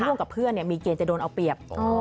ร่วมกับเพื่อนมีเกณฑ์จะโดนเอาเปรียบ